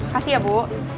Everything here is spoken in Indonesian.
kasih ya bu